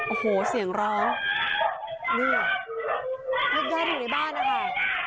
โอ้โหเสียงร้องเนี่ยญาติญาติอยู่ในบ้านนะคะ